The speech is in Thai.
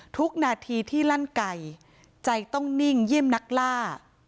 ทุกนาทีที่ลั่นไก่ใจต้องนิ่งเยี่ยมนักล่า